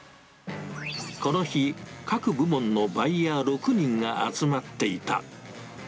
この日、各部門のバイヤー６人が集まっていた。